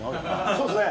そうっすね！